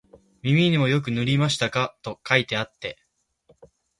耳にもよく塗りましたか、と書いてあって、